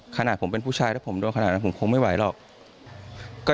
ขนาดผมเป็นผู้ชายถ้าผมโดนขนาดนั้นผมคงไม่ไหวหรอก